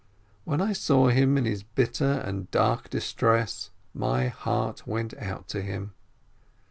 When I saw him in his bitter and dark dis tress, my heart went out to him.